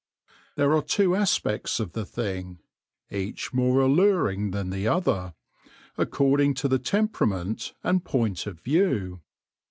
There are two aspects of the thing, each more alluring than the other, according to the temperament and point of view.